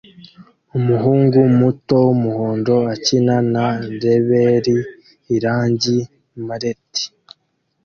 Umuhungu muto wumuhondo akina na reberi irangi-mallet